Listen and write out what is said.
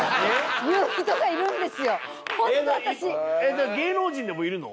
じゃあ芸能人でもいるの？